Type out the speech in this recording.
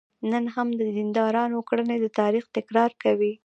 نن هم د دیندارانو کړنې د تاریخ تکرار کوي.